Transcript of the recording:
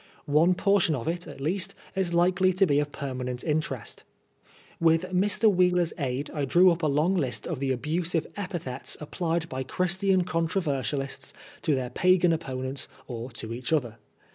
One portion of it, at least, is likely to be of permanent interest. With Mr. Wheeler's aid I drew up a long list of the abusive epithets applied by Christian controversialists to their Pagan opponents or to each other.